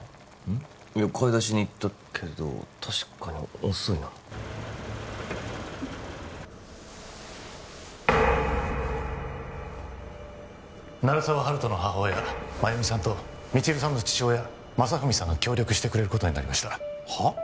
うん？いや買い出しに行ったけど確かに遅いな鳴沢温人の母親・麻由美さんと未知留さんの父親・正文さんが協力してくれることになりましたはっ？